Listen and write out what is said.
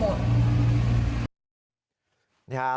พ่อก็หมดแม่ก็หมด